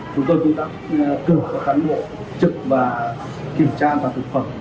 chúng tôi cũng đã cựu khán bộ trực và kiểm tra an toàn thực phẩm